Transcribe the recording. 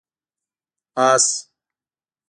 🐎 آس